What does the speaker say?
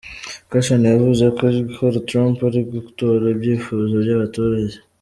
Carson yavuze ko gutora Trump ari ugutora ibyifuzo by’abaturage.